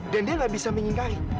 dan dia gak bisa mengingkari